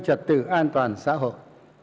trật tự an toàn xã hội